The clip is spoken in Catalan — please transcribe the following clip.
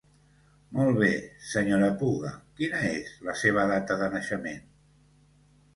Molt bé Sra. Puga, quina és la seva data de naixement?